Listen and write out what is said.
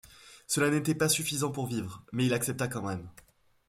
Cela n'était pas suffisant pour vivre, mais il accepta quand même.